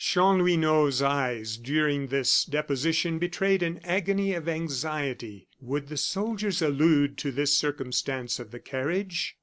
Chanlouineau's eyes during this deposition betrayed an agony of anxiety. Would the soldiers allude to this circumstance of the carriage?